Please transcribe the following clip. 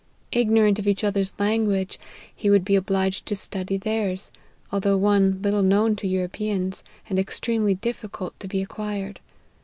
Ignorant of each other's language, he would be obliged to study theirs, although one little known to Europeans, and extremely difficult to be acquired.